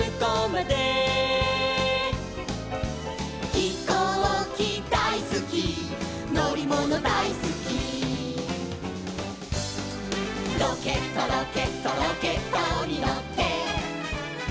「ひこうきだいすきのりものだいすき」「ロケットロケットロケットにのって」